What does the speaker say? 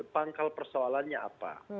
pangkal persoalannya apa